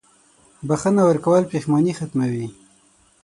• بښنه ورکول پښېماني ختموي.